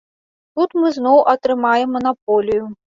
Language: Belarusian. Тут мы зноў атрымаем манаполію.